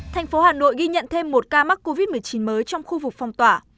thành phố hà nội ghi nhận thêm một ca mắc covid một mươi chín mới trong khu vực phong tỏa